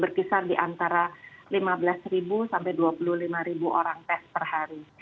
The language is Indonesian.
berkisar di antara lima belas sampai dua puluh lima orang tes per hari